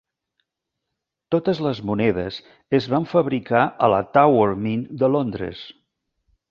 Totes les monedes es van fabricar a la Tower Mint de Londres.